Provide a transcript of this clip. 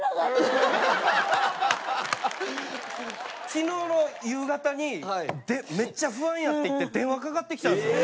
昨日の夕方に「めっちゃ不安や」って言って電話かかってきたんですよ。